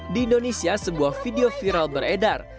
di indonesia sebuah video viral beredar